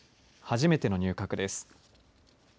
初めての入閣です。